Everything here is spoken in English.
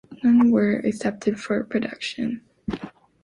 None were accepted for production.